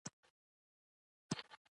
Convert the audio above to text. د ډوډۍ یو مخ چې سره شي بیا یې بل مخ ور اړوي.